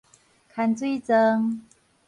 牽水旋